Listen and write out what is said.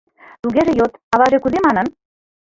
— Тугеже йод: аваже кузе манын?